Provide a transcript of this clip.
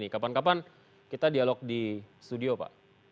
kapan kapan kita dialog di studio pak